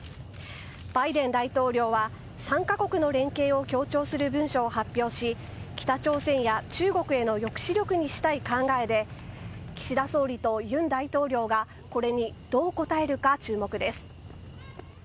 バイデン大統領は３カ国の連携を強調する文書を発表し北朝鮮や中国への抑止力にしたい考えで岸田総理と尹大統領がこれにどう応えるか注目です。